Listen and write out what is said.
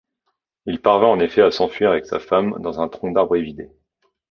Il parvint en effet à s’enfuir avec sa femme dans un tronc d'arbre évidé.